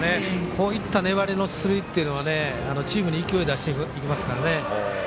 こういった粘りの出塁というのがチームに勢いを出していきますからね。